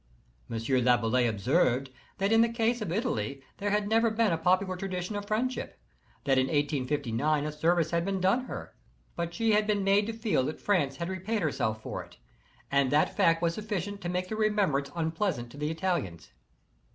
M. Laboulaye observed, that in the case of Italy there had never been a popular tradition of friendship; that in 1 859 21 service had been done her, but she had been made to feel that France had repaid herself for it; and that fact was sufficient to make the remembrance unpleas ant to the Italians.